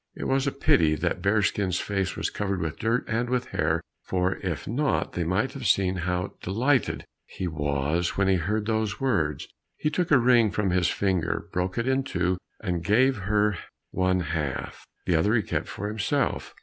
It was a pity that Bearskin's face was covered with dirt and with hair, for if not they might have seen how delighted he was when he heard these words. He took a ring from his finger, broke it in two, and gave her one half, the other he kept for himself.